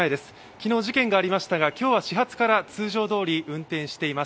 昨日事件がありましたが今日は始発から通常どおり運転しています。